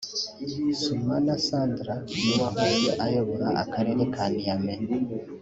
Soumana Sanda n’uwahoze ayobora Akarere ka Niamey